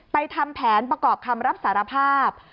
ทำแผนประกอบคำรับสารภาพ